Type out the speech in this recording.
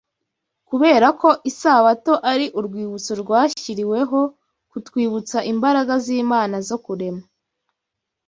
Kubera ko Isabato ari urwibutso rwashyiriweho kutwibutsa imbaraga z’Imana zo kurema